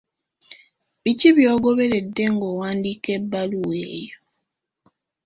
Biki by'ogoberedde ng'owandiika ebbaluwa eyo?